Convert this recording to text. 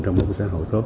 trong một xã hội tốt